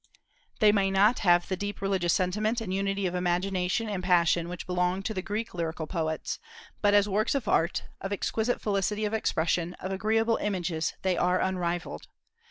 They may not have the deep religious sentiment and unity of imagination and passion which belong to the Greek lyrical poets, but as works of art, of exquisite felicity of expression, of agreeable images, they are unrivalled.